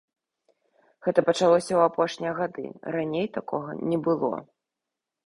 Гэта пачалося ў апошнія гады, раней такога не было.